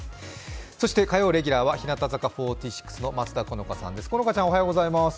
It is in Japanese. そして火曜レギュラーは日向坂４６の松田好花ちゃんです。